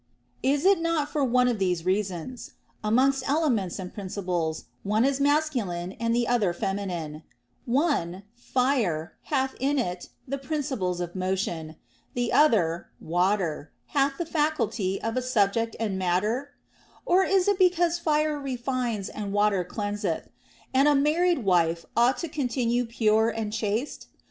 Is it not for one of these reasons ; amongst elements and principles, one is masculine and the other feminine ;— one (fire) hath in it the principles of motion, the other (water) hath the faculty of a subject and matter 1 Or is it because fire refines and water cleanseth, and a married wife ought to continue pure and chaste